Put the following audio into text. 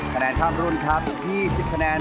คะแนนข้ามรุ่นครับ๒๐คะแนน